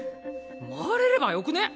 回れればよくねぇ？